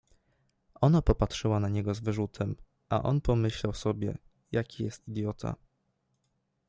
Ona popatrzyła na niego z wyrzutem, a on pomyślał sobie, jaki jest idiota.